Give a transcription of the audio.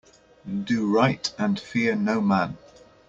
Do right and fear no man.